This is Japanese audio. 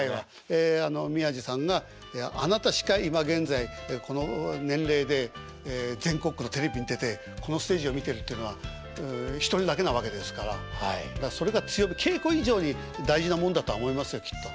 えあの宮治さんがあなたしか今現在この年齢で全国区のテレビに出てこのステージを見てるってのは１人だけなわけですからそれが稽古以上に大事なもんだとは思いますよきっと。